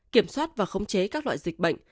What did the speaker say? kiểm soát và khống chế các loại dịch bệnh